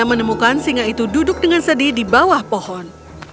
mereka menemukan singa itu duduk dengan sedih di bawah pohon